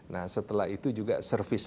nah setelah itu juga service